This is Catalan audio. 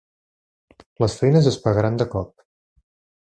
Les feines es pagaran de cop.